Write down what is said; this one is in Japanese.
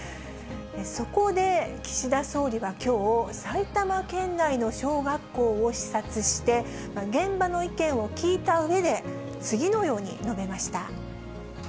そこで、岸田総理はきょう、埼玉県内の小学校を視察して、現場の意見を聞いたうえで、次のように述べました。